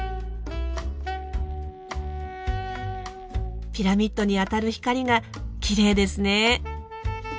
ピラミッドに当たる光がきれいですね。